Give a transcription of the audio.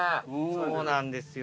そうなんですよ。